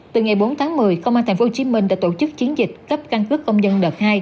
từ ngày bốn tháng một mươi công an tp hcm đã tổ chức chiến dịch cấp căn cước công dân đợt hai